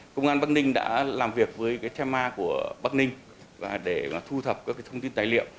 công an bắc ninh đã làm việc với tenma của bắc ninh để thu thập các thông tin tài liệu